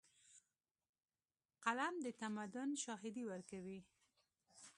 قلم د تمدن شاهدي ورکوي.